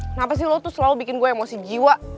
kenapa sih lo tuh selalu bikin gue emosi jiwa